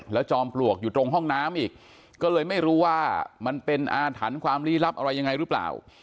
จอมปลวกอยู่ตรงห้องน้ำอีกก็เลยไม่รู้ว่ามันเป็นอาถรรพ์ความลี้ลับอะไรยังไงหรือเปล่า